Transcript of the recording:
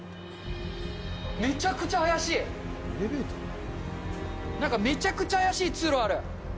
めちゃくちゃあやしい、なんかめちゃくちゃ怪しい通路ある。